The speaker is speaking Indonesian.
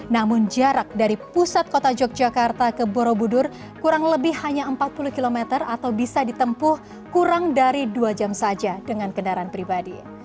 namun jarak dari pusat kota yogyakarta ke borobudur kurang lebih hanya empat puluh km atau bisa ditempuh kurang dari dua jam saja dengan kendaraan pribadi